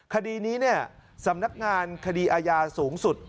คดีนี้สำนักงานคดีอาญาสูงสุด